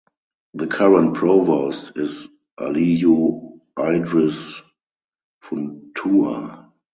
The current Provost is Aliyu Idris Funtua.